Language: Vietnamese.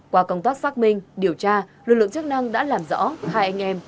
qua công tác xác minh điều tra lực lượng chức năng đã làm rõ hai anh em